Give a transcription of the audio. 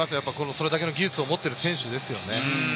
それだけの技術を持ってる選手ですよね。